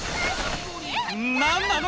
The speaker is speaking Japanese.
何なの？